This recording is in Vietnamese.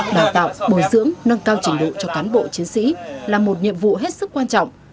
đào tạo bồi dưỡng nâng cao trình độ cho cán bộ chiến sĩ là một nhiệm vụ hết sức quan trọng